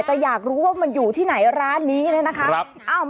อยากรู้ว่ามันอยู่ที่ไหนร้านนี้เนี่ยนะคะ